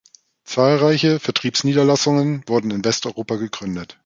Zahlreiche Vertriebsniederlassungen wurden in Westeuropa gegründet.